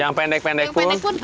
yang pendek pendek pun